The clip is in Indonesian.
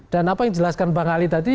dan apa yang dijelaskan bang ali tadi